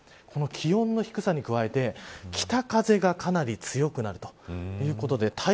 この気温の低さに加えて北風がかなり強くなるということです。